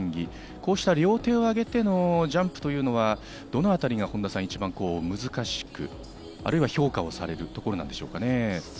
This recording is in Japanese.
こうした両手を上げてのジャンプというのは、どのあたりが本田さん、一番難しくあるいは評価をされるところなんでしょうね。